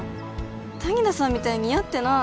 谷田さんみたいに似合ってない